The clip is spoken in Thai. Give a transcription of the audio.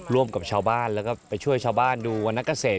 ร่วมกับชาวบ้านแล้วก็ไปช่วยชาวบ้านดูวรรณเกษตร